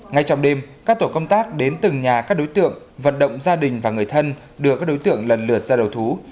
ngay trong đêm các tổ công tác đến từng nhà các đối tượng vận động gia đình và người thân đưa các đối tượng lần lượt ra đầu thú